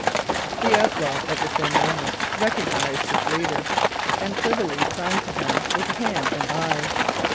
The outlaw, at the same moment, recognised his leader, and privily signed to him with hand and eye.